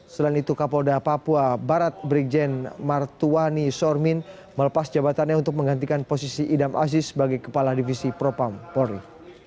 selain itu kapolda papua barat brigjen martuani sormin melepas jabatannya untuk menggantikan posisi idam aziz sebagai kepala divisi propam polri